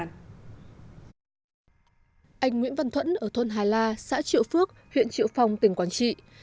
anh nguyễn văn thuẫn ở thôn hà la xã triệu phước huyện triệu phong tỉnh quảng trị